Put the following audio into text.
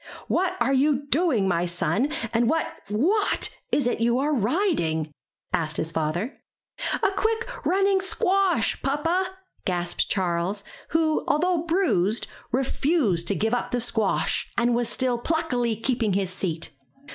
'*What are you doing, my son, and what, what is it you are riding?" asked his father. A quick running squash, Papa,'' gasped Charles, who, although bruised, refused to give up the squash, 207 MY BOOK HOUSE and was still pluckily keeping his seat.